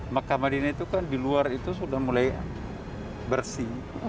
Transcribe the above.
mekah madinah itu kan di luar itu sudah mulai bersih